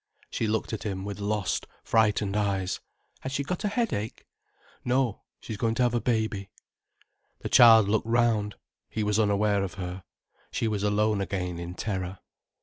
She looked at him with lost, frightened eyes. "Has she got a headache?" "No—she's going to have a baby." The child looked round. He was unaware of her. She was alone again in terror.